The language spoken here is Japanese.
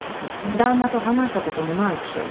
旦那と話したこともないくせに。